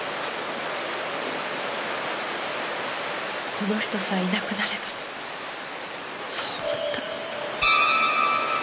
この人さえいなくなればそう思った。